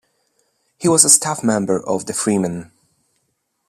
He was a staff member of "The Freeman".